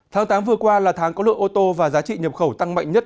tháng tám vừa qua là tháng có lượng ô tô và giá trị nhập khẩu tăng mạnh nhất